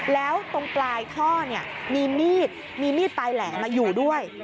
แล้วตรงปลายท่อมีมีดมีมีดปลายแหลมมาอยู่ด้วย